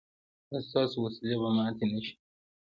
ایا ستاسو وسلې به ماتې نه شي؟